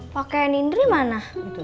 pakaian indri mana